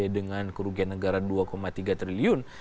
dengan kerugian negara dua tiga triliun